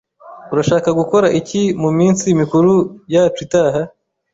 Urashaka gukora iki muminsi mikuru yacu itaha?